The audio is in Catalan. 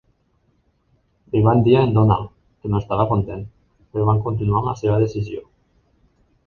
Li van dir a en Donald, que no estava content, però van continuar amb la seva decisió.